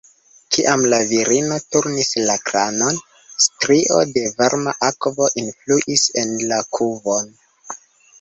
Kiam la virino turnis la kranon, strio da varma akvo enfluis en la kuvon.